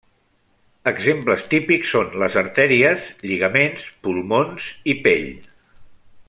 Exemples típics són les artèries, lligaments, pulmons i pell.